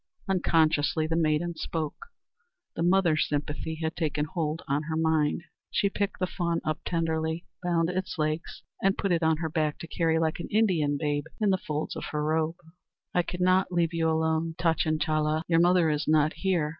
unconsciously the maiden spoke. The mother sympathy had taken hold on her mind. She picked the fawn up tenderly, bound its legs, and put it on her back to carry like an Indian babe in the folds of her robe. "I cannot leave you alone, Tachinchala. Your mother is not here.